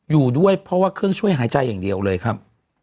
อยู่ด้วยเพราะว่าเครื่องช่วยหายใจอย่างเดียวเลยครับ